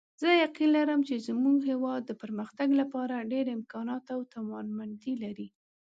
زه یقین لرم چې زموږ هیواد د پرمختګ لپاره ډېر امکانات او توانمندۍ لري